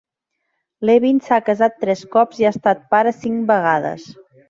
Levin s'ha casat tres cops i ha estat pare cinc vegades.